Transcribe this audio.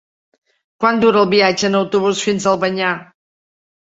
Quant dura el viatge en autobús fins a Albanyà?